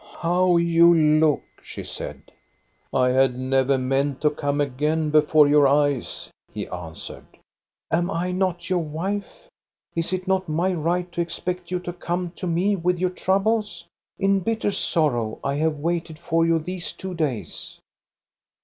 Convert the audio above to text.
" How you look !" she said. " I had never meant to come again before your eyes," he answered. " Am I not your wife? Is it not my right to ex pect you to come to me with your troubles? In bitter sorrow I have waited for you these two days."